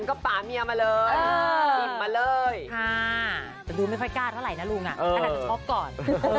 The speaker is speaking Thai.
โอ้แต่ดูไม่ค่อยกล้าเท่าไหร่นะลุงอะอะไรหศกก่อน